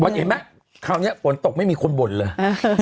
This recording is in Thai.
เห็นไหมคราวนี้ฝนตกไม่มีคนบ่นเลย